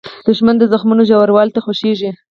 دښمن د زخمونو ژوروالۍ ته خوښیږي